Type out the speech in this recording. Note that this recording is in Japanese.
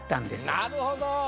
なるほど！